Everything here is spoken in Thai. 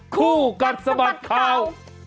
ฟู้กัดสมัครเขา